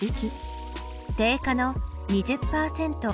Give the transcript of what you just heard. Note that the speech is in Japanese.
定価の２０％割引。